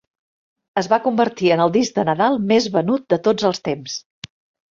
Es va convertir en el disc de Nadal més venut de tots els temps.